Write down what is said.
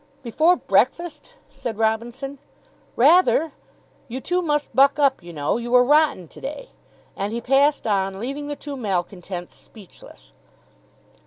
"Before breakfast?" said Robinson. "Rather. You two must buck up, you know. You were rotten to day." And he passed on, leaving the two malcontents speechless.